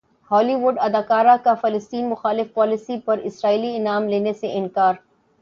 ہالی وڈ اداکارہ کا فلسطین مخالف پالیسی پر اسرائیلی انعام لینے سے انکار